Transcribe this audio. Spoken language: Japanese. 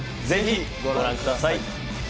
ぜひご覧ください。